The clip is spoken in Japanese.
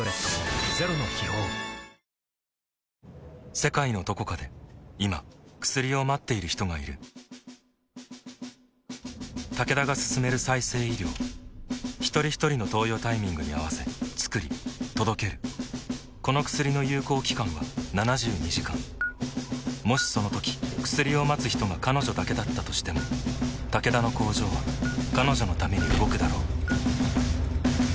世界のどこかで今薬を待っている人がいるタケダが進める再生医療ひとりひとりの投与タイミングに合わせつくり届けるこの薬の有効期間は７２時間もしそのとき薬を待つ人が彼女だけだったとしてもタケダの工場は彼女のために動くだろう